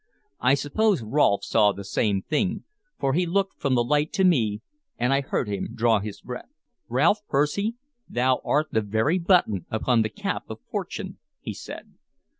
I suppose Rolfe saw the same thing, for he looked from the light to me, and I heard him draw his breath. "Ralph Percy, thou art the very button upon the cap of Fortune," he said.